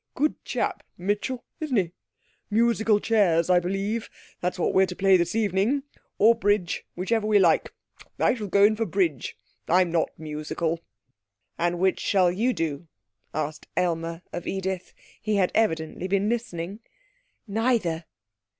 'Good chap, Mitchell, isn't he? Musical chairs, I believe that's what we're to play this evening; or bridge, whichever we like. I shall go in for bridge. I'm not musical.' 'And which shall you do?' asked Aylmer of Edith. He had evidently been listening. 'Neither.'